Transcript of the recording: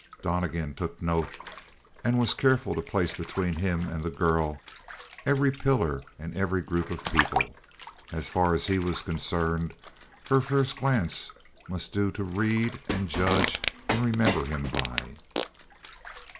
Donnegan took note and was careful to place between him and the girl every pillar and every group of people. As far as he was concerned, her first glance must do to read and judge and remember him by.